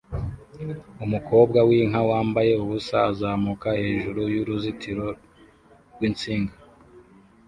Umukobwa w'inka wambaye ubusa azamuka hejuru y'uruzitiro rw'insinga